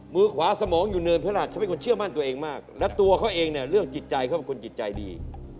มือขวาสมองอยู่เนินพระราชเขาเป็นคนเชื่อมั่นตัวเองมากและตัวเขาเองเนี่ยเรื่องจิตใจเขาเป็นคนจิตใจดี